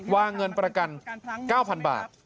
วางเงินประกัน๙๐๐บาท